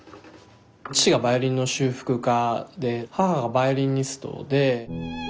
父がバイオリンの修復家で母がバイオリニストで。